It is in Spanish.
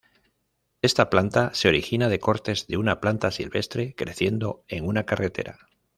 Esta planta se origina de cortes de una planta silvestre creciendo en una carretera.